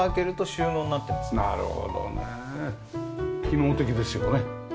機能的ですよね。